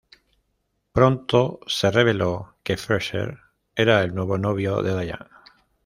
Pronto se reveló que Fraiser era el nuevo novio de Diane.